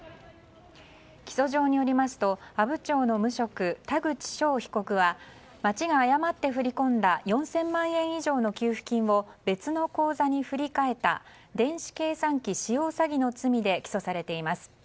起訴状によりますと阿武町の無職田口翔被告は町が誤って振り込んだ４０００万円以上の給付金を別の口座に振り替えた電子計算機使用詐欺の罪で起訴されています。